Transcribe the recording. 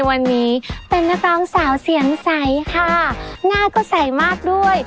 วันนี้เป็นนักร้องสาวเสียงใสค่ะหน้าก็ใสมากด้วย